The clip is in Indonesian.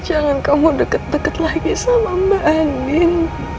jangan kamu deket deket lagi sama mbak angin